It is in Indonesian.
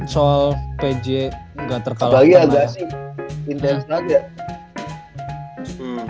soalnya pj gak terkalahin